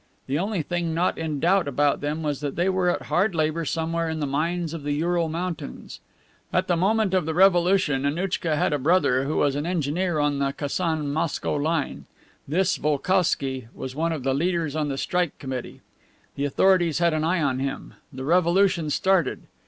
The only thing not in doubt about them was that they were at hard labor somewhere in the mines of the Ural Mountains. At the moment of the revolution Annouchka had a brother who was an engineer on the Kasan Moscow line. This Volkousky was one of the leaders on the Strike Committee. The authorities had an eye on him. The revolution started.